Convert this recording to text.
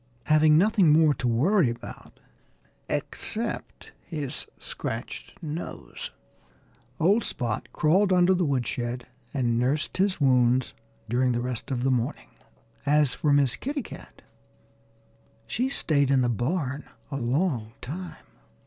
Having nothing more to worry about except his scratched nose, old Spot crawled under the woodshed and nursed his wounds during the rest of the morning. As for Miss Kitty Cat, she stayed in the barn a long time.